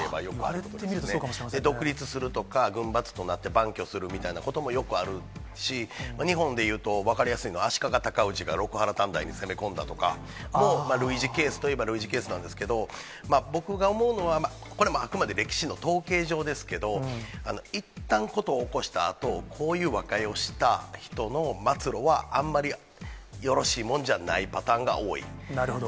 言われてみると、そうかもし独立するとか、軍閥となって盤踞するみたいなこともよくあるし、日本でいうと、分かりやすいのは、足利尊氏が六波羅探題に攻め込んだとか、類似ケースといえば、類似ケースなんですけれども、僕が思うのは、これ、あくまで歴史の統計上ですけれども、いったん事を起こしたあと、こういう和解をした人の末路は、あんまりよろしいもんじゃないパなるほど。